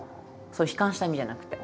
悲観した意味じゃなくて。